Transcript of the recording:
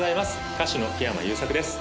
歌手の木山裕策です